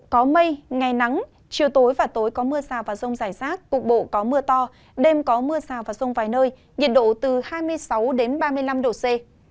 có mây ngày nắng chiều tối và tối có mưa rào và rông rải rác cục bộ có mưa to đêm có mưa rào và rông vài nơi nhiệt độ từ hai mươi sáu ba mươi năm độ c